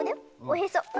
おへそ。